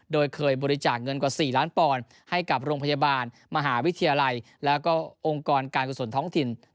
โดยเคยบริจาคเงินกว่า๔ล้านปอนด์ให้กับโรงพยาบาลมหาวิทยาลัยแล้วก็องค์กรการกุศลท้องถิ่น